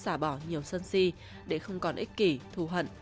giúp xả bỏ nhiều sân si để không còn ích kỷ thù hận